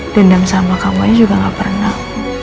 dendam sama kamu aja juga gak pernah